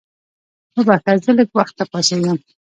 وبخښه زه لږ وخته پاڅېږم.